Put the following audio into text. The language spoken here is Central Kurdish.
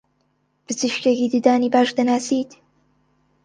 پزیشکێکی ددانی باش دەناسیت؟